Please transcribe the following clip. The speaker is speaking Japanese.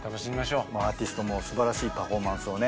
アーティストも素晴らしいパフォーマンスをね